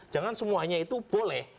jangan semuanya itu boleh